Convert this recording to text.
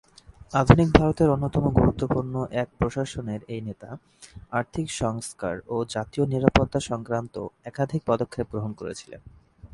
আধুনিক ভারতের অন্যতম গুরুত্বপূর্ণ এক প্রশাসনের এই নেতা আর্থিক সংস্কার ও জাতীয় নিরাপত্তা সংক্রান্ত একাধিক পদক্ষেপ গ্রহণ করেছিলেন।